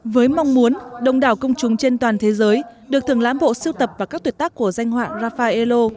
với mong muốn đồng đảo công chúng trên toàn thế giới được thường lãm bộ siêu tập và các tuyệt tác của danh họa raffaello